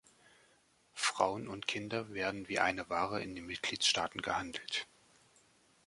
Frauen und Kinder werden wie eine Ware in den Mitgliedstaaten gehandelt.